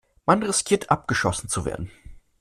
Man riskiert, abgeschossen zu werden.